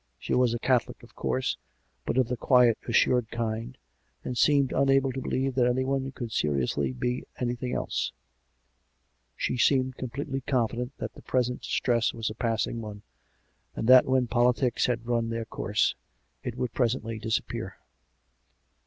She was a Catholic, of course, but of the quiet, assured kind, and seemed unable to believe that anyone could seriously be anything else; she seemed completely confident that the present distress was a passing one, and that when politics had run their course, it would presently disappear.